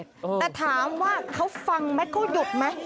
แต่ถามว่าเขาฟังไหมเขาหยุดไหม